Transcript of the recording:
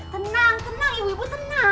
tenang tenang ibu ibu tenang